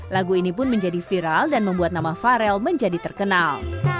lagu ini pun menjadi viral dan membuat nama farel menjadi terkenal